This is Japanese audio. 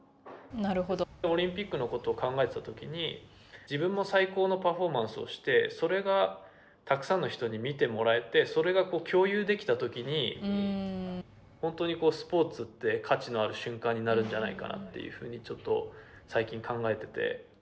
オリンピックのことを考えていたときに自分も最高のパフォーマンスをしてそれがたくさんの人に見てもらえてそれが共有できたときに本当にスポーツって価値のある瞬間になるんじゃないかなというふうにちょっと最近考えてて。